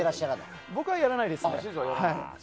僕はやらないですね。